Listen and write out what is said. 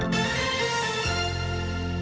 โปรดติดตามตอนต่อไป